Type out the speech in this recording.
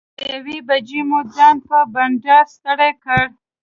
تر یوې بجې مو ځان په بنډار ستړی کړ.